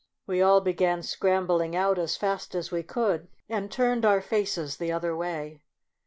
We all began scrambling out as fast as we could, and turned our faces the other way.